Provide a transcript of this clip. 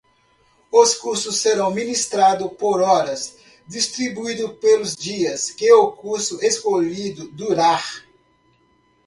Os cursos serão ministrados por horas, distribuídos pelos dias que o curso escolhido durar.